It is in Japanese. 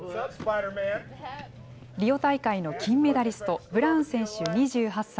リオ大会の金メダリスト、ブラウン選手２８歳。